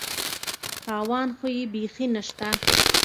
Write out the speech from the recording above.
تاوان خو یې بېخي نشته.